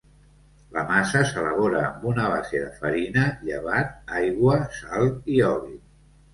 La massa s'elabora amb una base de farina, llevat, aigua, sal i oli.